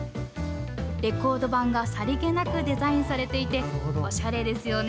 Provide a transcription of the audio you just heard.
レコード盤がさりげなくデザインされていて、おしゃれですよね。